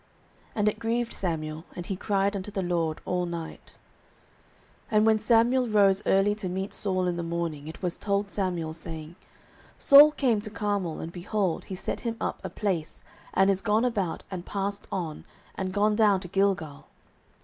And it grieved Samuel; and he cried unto the LORD all night. 09:015:012 And when Samuel rose early to meet Saul in the morning, it was told Samuel, saying, Saul came to Carmel, and, behold, he set him up a place, and is gone about, and passed on, and gone down to Gilgal.